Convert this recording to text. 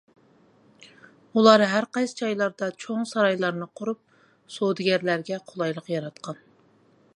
ئۇلار ھەرقايسى جايلاردا چوڭ سارايلارنى قۇرۇپ، سودىگەرلەرگە قولايلىق ياراتقان.